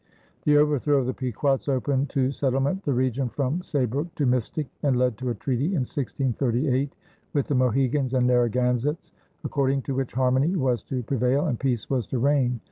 The overthrow of the Pequots opened to settlement the region from Saybrook to Mystic and led to a treaty in 1638 with the Mohegans and Narragansetts, according to which harmony was to prevail and peace was to reign.